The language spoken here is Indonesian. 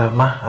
ya makasih ya